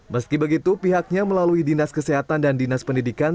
meski begitu pihaknya melalui dinas kesehatan dan dinas pendidikan